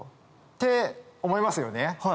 って思いますよね？